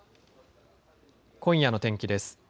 今夜の天気です。